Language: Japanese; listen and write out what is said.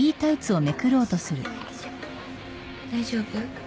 大丈夫？